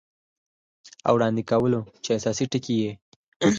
او وړاندې کولو چې اساسي ټکي یې